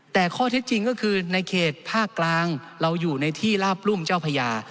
แต่ข้อเท็จจริงก็คือในเขตภาคกลางเราอยู่ในที่ลาบรุ่มเจ้าพญา